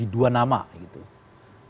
itu adalah yang menyebutkan empat nama